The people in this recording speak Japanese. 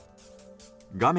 画面